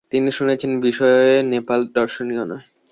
তিনি শুনেছেন, বিষয়ে নেপাল দর্শনীয় নয়।